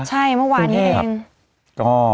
ใช่เมื่อวานนี้เอง